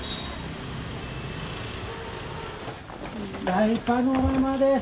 大パノラマです。